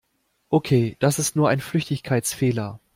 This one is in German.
Okay, das ist nur ein Flüchtigkeitsfehler.